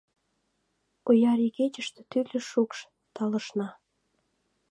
Ояр игечыште тӱрлӧ шукш талышна.